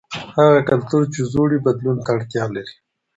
هغه کلتور چې زوړ وي بدلون ته اړتیا لري.